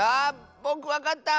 ぼくわかった！